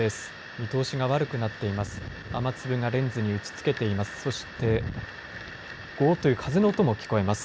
見通しが悪くなっています。